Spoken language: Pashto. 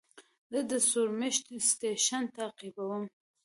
زه د ستورمېشت سټېشن تعقیبوم.